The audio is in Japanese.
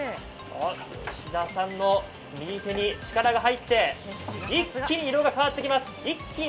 吉田さんの右手に力が入って一気に色が変わってきました。